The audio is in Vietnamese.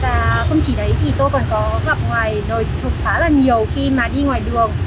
và không chỉ đấy thì tôi còn có gặp ngoài đời thực phá là nhiều khi mà đi ngoài đường